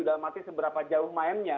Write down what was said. dalam arti seberapa jauh mainnya